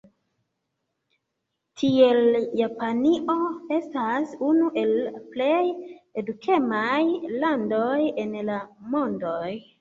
Tiel Japanio estas unu el la plej edukemaj landoj en la mondoj.